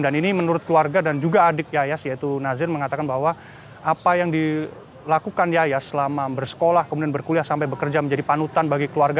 dan ini menurut keluarga dan juga adik yayas yaitu nazir mengatakan bahwa apa yang dilakukan yayas selama bersekolah kemudian berkuliah sampai bekerja menjadi panutan bagi keluarga